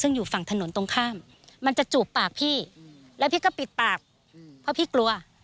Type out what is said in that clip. ซึ่งอยู่ฝั่งถนนตรงข้ามมันจะจูบปากพี่แล้วพี่ก็ปิดปากเพราะพี่กลัว